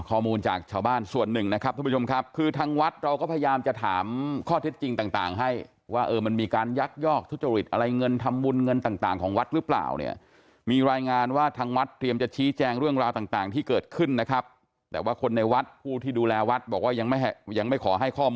ข้อมูลจากชาวบ้านส่วนหนึ่งนะครับทุกผู้ชมครับคือทางวัดเราก็พยายามจะถามข้อเท็จจริงต่างให้ว่าเออมันมีการยักยอกทุจริตอะไรเงินทำบุญเงินต่างต่างของวัดหรือเปล่าเนี่ยมีรายงานว่าทางวัดเตรียมจะชี้แจงเรื่องราวต่างที่เกิดขึ้นนะครับแต่ว่าคนในวัดผู้ที่ดูแลวัดบอกว่ายังไม่ยังไม่ขอให้ข้อมูล